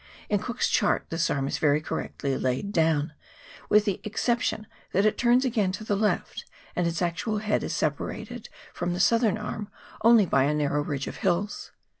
In Cook's chart this arm is very correctly laid down, with the ex ception that it turns again to the left, and its actual head is separated from the southern arm only by a narrow ridge of hills.